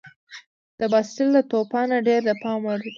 د باسټیل له توپانه ډېر د پام وړ دي.